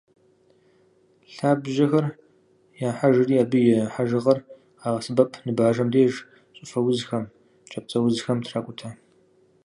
Лъабжьэхэр яхьэжри, абы и хьэжыгъэр къагъэсэбэп ныбажэм деж, щӏыфэ узхэмрэ кӏапцӏэузхэмрэ тракӏутэ.